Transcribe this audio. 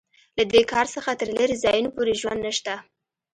له دې کان څخه تر لېرې ځایونو پورې ژوند نشته